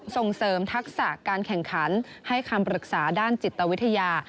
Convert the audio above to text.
ส่งเสริมทักษะการแข่งขันให้คำปรึกษาด้านจิตวิทยา